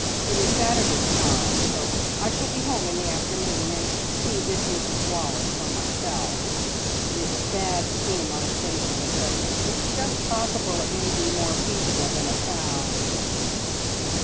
It is Saturday to morrow, so I shall be home in the afternoon, and see this Mrs Wallace for myself. It's a bad scheme on the face of it, but it's just possible it may be more feasible than it sounds."